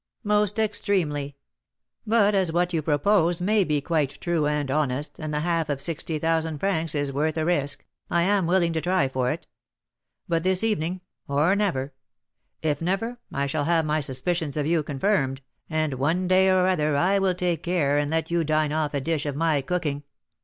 "Most extremely. But as what you propose may be quite true and honest, and the half of sixty thousand francs is worth a risk, I am willing to try for it; but this evening, or never; if never, I shall have my suspicions of you confirmed, and one day or other I will take care and let you dine off a dish of my cooking."